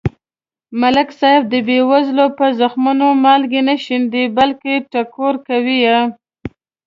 ملک صاحب د بې وزلو په زخمونو مالګې نه شیندي. بلکې ټکور کوي یې.